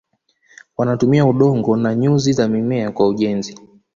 Wanatumia udongo na nyuzi za mimea kwa ujenzi.